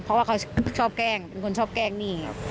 เพราะว่าเขาชอบแกล้งเป็นคนชอบแกล้งหนี้ครับ